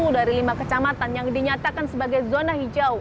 sepuluh dari lima kecamatan yang dinyatakan sebagai zona hijau